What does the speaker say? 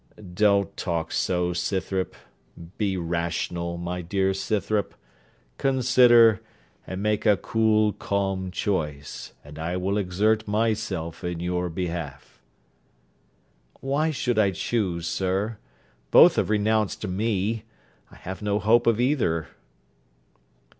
'Don't talk so, Scythrop. Be rational, my dear Scythrop. Consider, and make a cool, calm choice, and I will exert myself in your behalf.' 'Why should I choose, sir? Both have renounced me: I have no hope of either.'